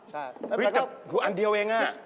ใช่แต่ก็อันเดียวเองน่ะ